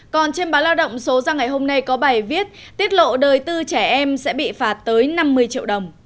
còn trên báo lao động số ra ngày hôm nay có bài viết tiết lộ đời tư trẻ em sẽ bị phạt tới năm mươi triệu đồng